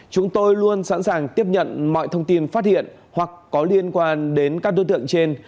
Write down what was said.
chúng tôi luôn sẵn sàng tiếp nhận mọi thông tin phát hiện hoặc có liên quan đến các đối tượng trên